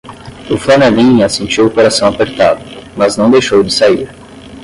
O flanelinha sentiu o coração apertado, mas não deixou de sair